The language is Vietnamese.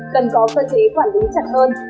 cần có phân chế quản lý chặt hơn